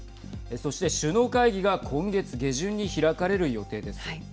そして首脳会議が今月下旬に開かれる予定です。